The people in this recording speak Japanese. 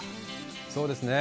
そうですね。